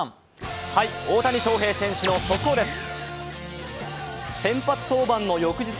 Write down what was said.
大谷翔平選手の速報です。